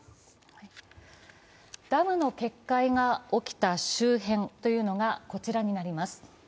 ダムの決壊が起きた周辺というのが、こちらになります。